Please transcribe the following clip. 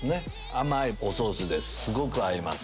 甘いおソースですごく合います。